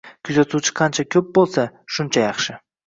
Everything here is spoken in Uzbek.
Kuzatuvchi qancha ko‘p bo‘lsa, shuncha yaxshi.